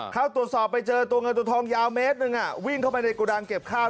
เข้าตรวจสอบไปเจอตัวเงินตัวทองยาวเมตรหนึ่งวิ่งเข้าไปในกระดังเก็บข้าว